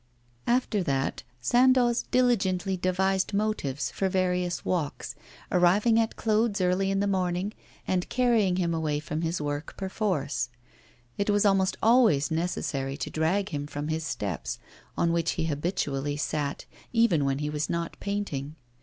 After that Sandoz diligently devised motives for various walks, arriving at Claude's early in the morning, and carrying him away from his work perforce. It was almost always necessary to drag him from his steps, on which he habitually sat, even when he was not painting.